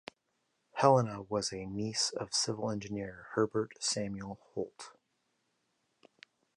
Helena was a niece of civil engineer Herbert Samuel Holt.